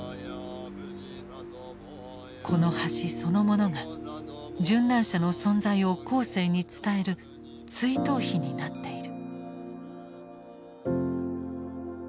この橋そのものが殉難者の存在を後世に伝える追悼碑になっている。